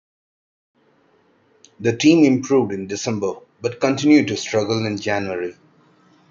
The team improved in December, but continued to struggle in January.